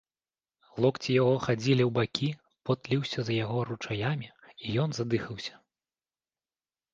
Локці яго хадзілі ў бакі, пот ліўся з яго ручаямі, і ён задыхаўся.